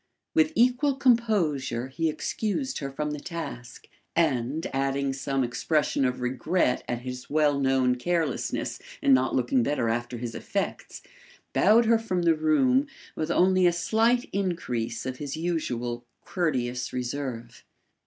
With equal composure he excused her from the task, and, adding some expression of regret at his well known carelessness in not looking better after his effects, bowed her from the room with only a slight increase of his usual courteous reserve.